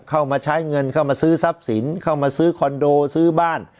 เข้ามาใช้เงินเข้ามาซื้อทรัพย์สินเข้ามาซื้อคอนโดซื้อบ้าน